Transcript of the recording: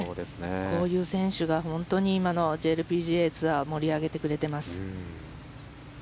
こういう選手が本当に今のＪＬＰＧＡツアーを盛り上げてくれています。